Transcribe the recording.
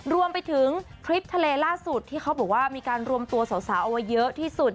รวมไปถึงทริปทะเลล่าสุดที่เขาบอกว่ามีการรวมตัวสาวเอาไว้เยอะที่สุด